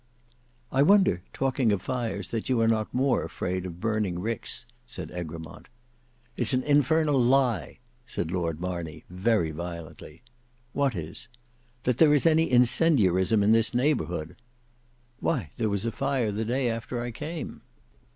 "I wonder, talking of fires, that you are not more afraid of burning ricks," said Egremont. "It's an infernal lie," said Lord Marney, very violently. "What is?" said Egremont. "That there is any incendiarism in this neighbourhood." "Why, there was a fire the day after I came."